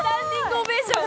オベーション